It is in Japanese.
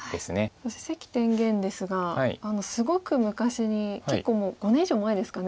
そして関天元ですがすごく昔に結構もう５年以上前ですかね。